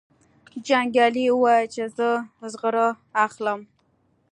جنګیالي وویل چې زه زغره اخلم.